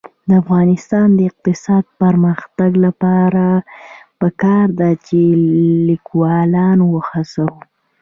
د افغانستان د اقتصادي پرمختګ لپاره پکار ده چې لیکوالان وهڅوو.